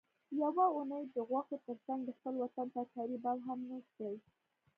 یوه اونۍ د غوښو ترڅنګ د خپل وطن ترکاري باب هم نوش کړئ